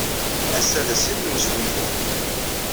Ass-a d ass-nnem n wesgunfu.